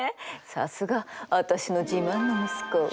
さすが私の自慢の息子！